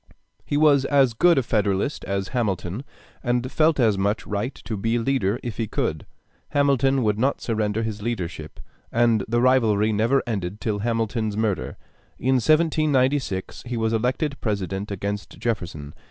He was as good a Federalist as Hamilton, and felt as much right to be leader if he could; Hamilton would not surrender his leadership, and the rivalry never ended till Hamilton's murder. In 1796 he was elected President against Jefferson.